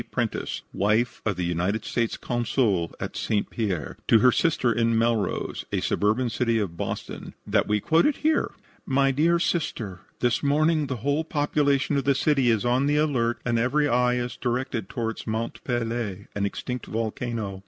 Prentis, wife of the United States Consul at St. Pierre, to her sister in Melrose, a suburban city of Boston, that we quote it here: "My Dear Sister: This morning the whole population of the city is on the alert and every eye is directed toward Mont Pelee, an extinct volcano.